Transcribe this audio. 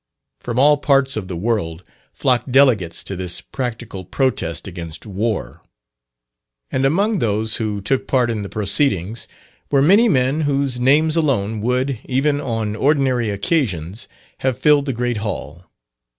From all parts of the world flocked delegates to this practical protest against war. And among those who took part in the proceedings, were many men whose names alone would, even on ordinary occasions, have filled the great hall.